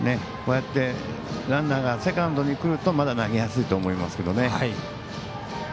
こうやってランナーがセカンドに来るとまだ投げやすいと思いますけどね。